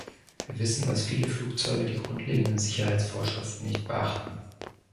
Wir wissen, dass viele Flugzeuge die grundlegenden Sicherheitsvorschriften nicht beachten.